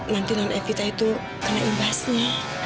nanti non evita itu kena imbasnya